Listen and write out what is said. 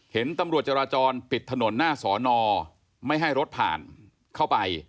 เห็นตำรวจจราจรปิดถนนหน้าสอนอไม่ให้รถผ่านเข้าไป